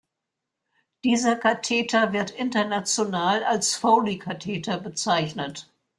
Dieser Katheter wird international als Foley-Katheter bezeichnet.